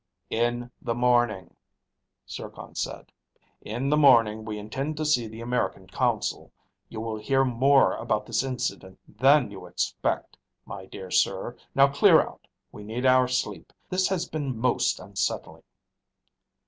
"In the morning," Zircon said. "In the morning we intend to see the American consul. You will hear more about this incident than you expect, my dear sir. Now clear out. We need our sleep. This has been most unsettling."